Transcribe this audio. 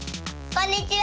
こんにちは。